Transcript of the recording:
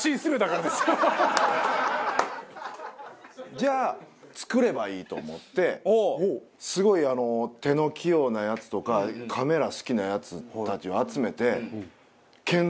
じゃあ作ればいいと思ってすごい手の器用なヤツとかカメラ好きなヤツたちを集めて。